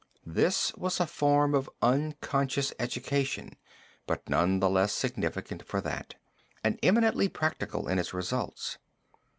This was a form of unconscious education but none the less significant for that, and eminently practical in its results.